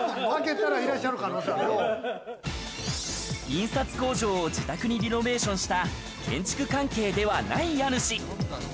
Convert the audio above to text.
印刷工場を自宅にリノベーションした建築関係ではない家主。